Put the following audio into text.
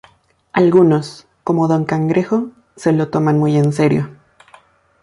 Algunos, como Don Cangrejo, se lo toman muy en serio.